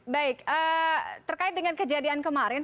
baik terkait dengan kejadian kemarin